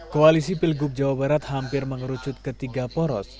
koalisi pilgub jawa barat hampir mengerucut ketiga poros